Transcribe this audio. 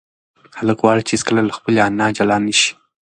هلک غواړي چې هیڅکله له خپلې انا جلا نشي.